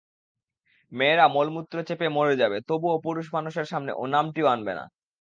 মেয়েরা মলমূত্র চেপে মরে যাবে, তবুও পুরুষের সামনে ও-নামটিও আনবে না।